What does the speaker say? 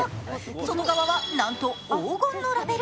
外側はなんと黄金のラベル。